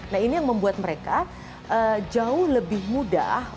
nah ini yang membuat mereka jauh lebih mudah